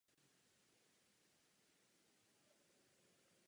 Psal též hudbu pro film.